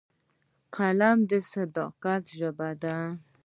قلم د صداقت ژبه ده